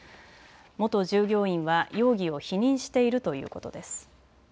元従業員は容疑を否認しているということです。